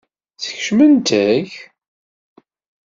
Skecment-k?